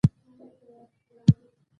ګرانو دوستانو!